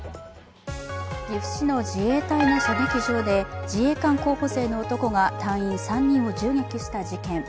岐阜市の自衛隊の射撃場で自衛官候補生の男が隊員３人を銃撃した事件。